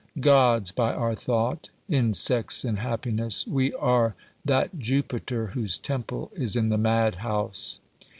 Gods by our thought, insects in happiness, we are that Jupiter whose temple is in the madhouse.